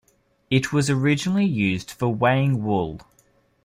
It was originally used for weighing wool.